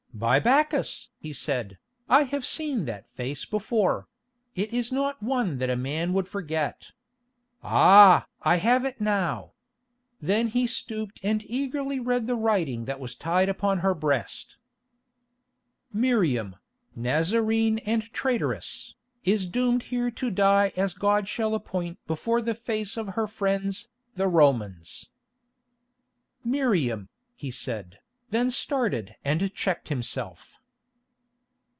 "By Bacchus!" he said, "I have seen that face before; it is not one that a man would forget. Ah! I have it now." Then he stooped and eagerly read the writing that was tied upon her breast: "Miriam, Nazarene and traitress, is doomed here to die as God shall appoint before the face of her friends, the Romans." "Miriam," he said, then started and checked himself.